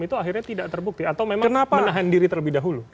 itu akhirnya tidak terbukti atau memang menahan diri terlebih dahulu